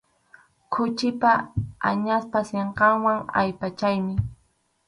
Khuchipa, añaspa sinqanwan allpachaynin.